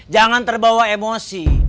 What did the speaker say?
jangan terbawa emosi